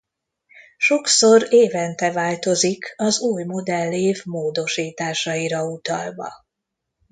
Sokszor évente változik az új modellév módosításaira utalva.